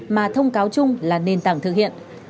mà thông cáo chung là nền tảng thực hiện